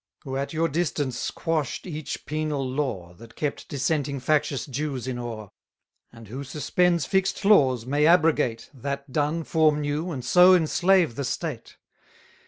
Who at your instance quash'd each penal law, That kept dissenting factious Jews in awe; And who suspends fix'd laws, may abrogate, That done, form new, and so enslave the state.